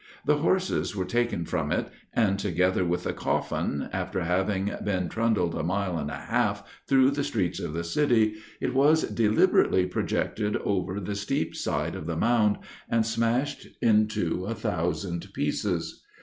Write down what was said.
The horses were taken from it, and together with the coffin, after having been trundled a mile and a half through the streets of the city, it was deliberately projected over the steep side of the mound, and smashed into a thousand pieces.